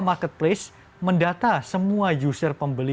marketplace mendata semua user pembeli